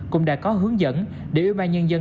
cũng đã có hướng dẫn để ủy ban nhân dân